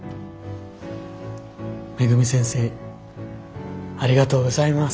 恵先生ありがとうございます。